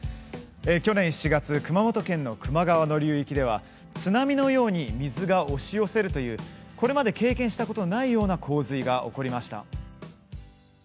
去年７月熊本県の球磨川流域では津波のように水が押し寄せるというこれまで経験したことのない洪水が起こりました。